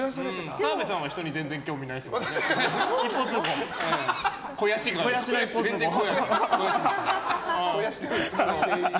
澤部さんは人に全然興味ないですもんね、一方通行。